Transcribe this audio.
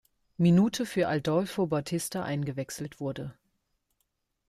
Minute für Adolfo Bautista eingewechselt wurde.